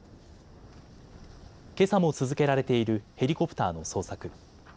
けさも続けられているヘリコプターの捜索。